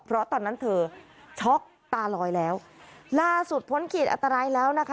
เพราะตอนนั้นเธอช็อกตาลอยแล้วล่าสุดพ้นขีดอันตรายแล้วนะคะ